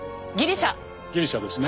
ギリシャですね。